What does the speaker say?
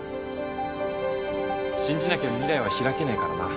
信じなきゃ未来は開けねえからな